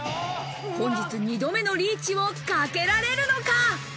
本日２度目のリーチをかけられるのか？